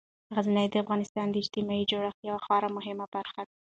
غزني د افغانستان د اجتماعي جوړښت یوه خورا مهمه برخه ده.